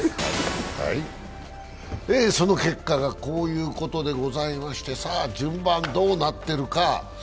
その結果がこういうことでございまして、順番、どうなっているか。